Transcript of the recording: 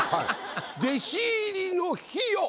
「弟子入りの日よ